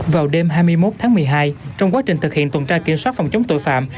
vào đêm hai mươi một tháng một mươi hai trong quá trình thực hiện tuần tra kiểm soát phòng chống tội phạm